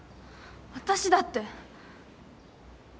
私だって。